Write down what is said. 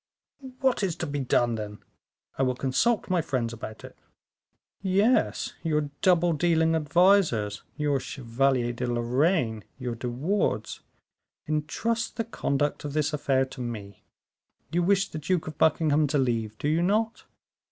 "What is to be done, then? I will consult my friends about it." "Yes, your double dealing advisers, your Chevalier de Lorraine your De Wardes. Intrust the conduct of this affair to me. You wish the Duke of Buckingham to leave, do you not?"